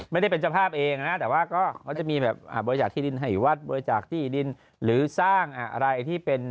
ไม่ได้เป็นเจ้าภาพเองนะแต่ว่าก็เขาจะมีแบบบริจาคที่ดินให้วัดบริจาคที่ดินหรือสร้างอะไรที่เป็น